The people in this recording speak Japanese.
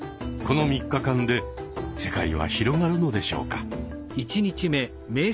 この３日間で世界は広がるのでしょうか。